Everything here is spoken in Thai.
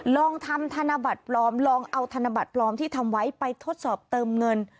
ลองทำธนบัตรปลอมลองเอาธนบัตรปลอมที่ทำไว้ไปทดสอบเติมเงิน